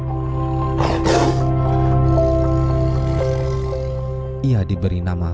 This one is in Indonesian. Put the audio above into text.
pusat rehabilitasi harimau sumatera